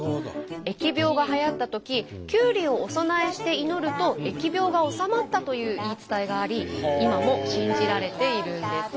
疫病がはやったとききゅうりをお供えして祈ると疫病が収まったという言い伝えがあり今も信じられているんです。